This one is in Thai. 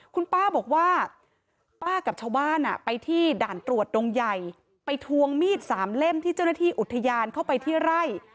คุณป้าบอกว่าป้ากับชาวบ้านไปที่ด่านตรวจดงใหญ่ไปทวงมีดสามเล่มที่เจ้าหน้าที่อุทยานเข้าไปที่ไร่